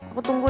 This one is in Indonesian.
aku tunggu ya